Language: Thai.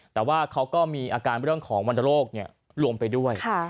แต่ว่าเขาก็มีอาการเรื่องของวรรณโรครวมไปด้วย